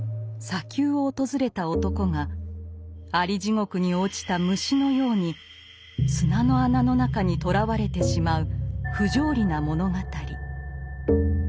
砂丘を訪れた男がアリ地獄に落ちた虫のように砂の穴の中にとらわれてしまう不条理な物語。